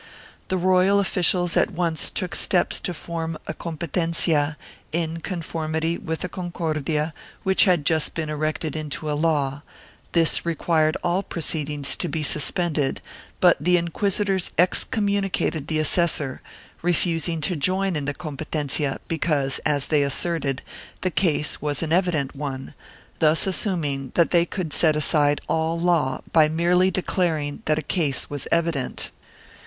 The royal officials at once took steps to form a competencia, in conformity with the Concordia which had just been erected into a law; this required all proceedings to be suspended but the inquisitors excommunicated the assessor, refusing to join in the competencia because, as they asserted, the case was an evident one, thus assuming that they could set aside all law by merely declaring that a case was evident.